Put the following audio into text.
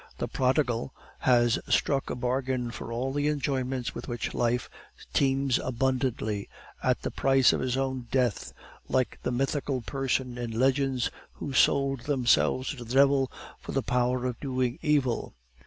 The prodigal has struck a bargain for all the enjoyments with which life teems abundantly, at the price of his own death, like the mythical persons in legends who sold themselves to the devil for the power of doing evil.